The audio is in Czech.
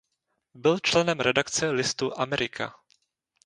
Byl členem redakce listu "Amerika".